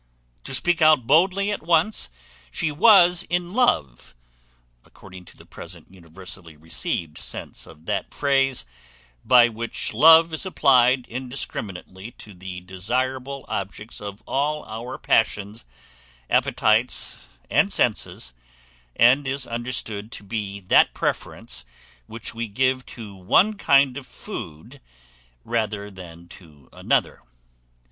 To speak out boldly at once, she was in love, according to the present universally received sense of that phrase, by which love is applied indiscriminately to the desirable objects of all our passions, appetites, and senses, and is understood to be that preference which we give to one kind of food rather than to another.